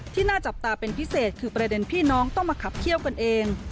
น่าจับตาเป็นพิเศษคือประเด็นพี่น้องต้องมาขับเขี้ยวกันเอง